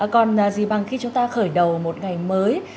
còn gì bằng khi chúng ta khởi đầu một ngày mới